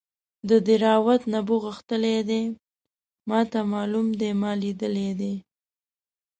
د دیراوت نبو غښتلی دی ماته معلوم دی ما لیدلی دی.